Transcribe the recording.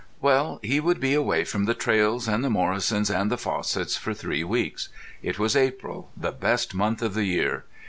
] Well, he would be away from the Traills and the Morrisons and the Fossetts for three weeks. It was April, the best month of the year.